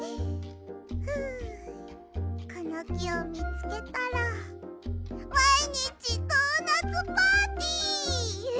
ふうこのきをみつけたらまいにちドーナツパーティー！